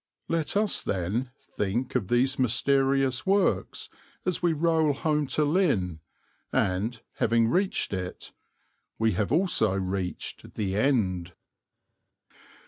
Let us, then, think of these mysterious works as we roll home to Lynn; and, having reached it, we have also reached the end.